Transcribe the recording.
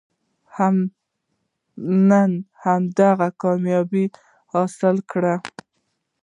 نن هماغه کامیابي حاصله کړو.